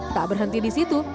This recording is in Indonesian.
tak berhenti disitu